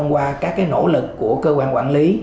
và các bộ phòng chống lý